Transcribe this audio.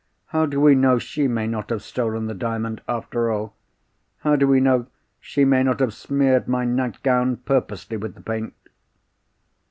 How do we know she may not have stolen the Diamond after all? How do we know she may not have smeared my nightgown purposely with the paint?"